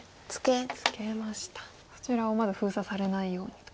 そちらをまず封鎖されないようにと。